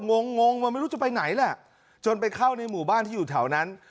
งงงมันไม่รู้จะไปไหนแหละจนไปเข้าในหมู่บ้านที่อยู่แถวนั้น